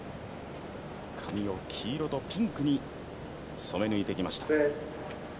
髪を黄色とピンクに染め抜いてきました。